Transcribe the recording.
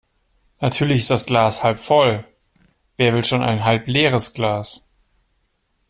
Natürlich ist das Glas halb voll. Wer will schon ein halbleeres Glas?